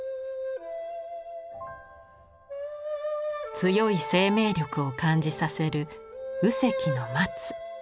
強い生命力を感じさせる右隻の松。